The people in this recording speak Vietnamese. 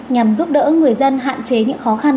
nhằm giúp đỡ người dân hạn chế những khó khăn